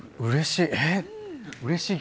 うれしい。